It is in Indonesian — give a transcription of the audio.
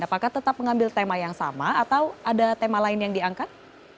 apakah tetap mengambil tema yang sama atau ada tema lain yang diangkat